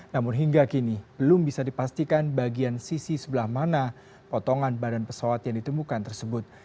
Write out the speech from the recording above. namun hingga kini belum bisa dipastikan bagian sisi sebelah mana potongan badan pesawat yang ditemukan tersebut